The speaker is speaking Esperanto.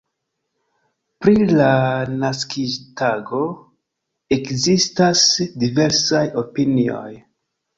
Pri la naskiĝtago ekzistas diversaj opinioj.